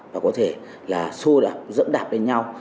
và có thể là xô đạp dẫm đạp lên nhau